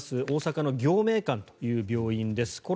大阪の暁明館という病院です。